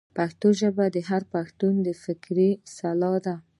پښتو ژبه د هر پښتون فکري سلاح ده.